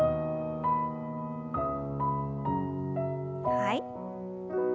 はい。